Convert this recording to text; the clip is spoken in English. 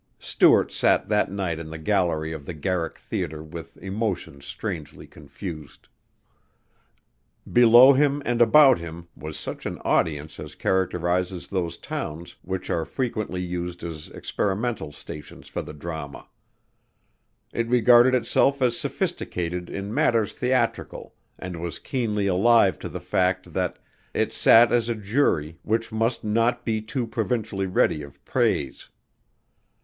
Stuart sat that night in the gallery of the Garrick theater with emotions strangely confused. Below him and about him was such an audience as characterizes those towns which are frequently used as experimental stations for the drama. It regarded itself as sophisticated in matters theatrical and was keenly alive to the fact that it sat as a jury which must not be too provincially ready of praise.